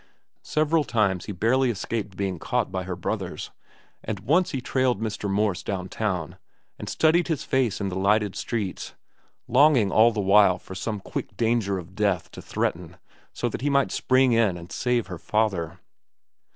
Several times he barely escaped being caught by her brothers, and once he trailed Mr. Morse down town and studied his face in the lighted streets, longing all the while for some quick danger of death to threaten so that he might spring in and save her father.